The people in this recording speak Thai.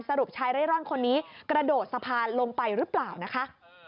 ชายเร่ร่อนคนนี้กระโดดสะพานลงไปหรือเปล่านะคะ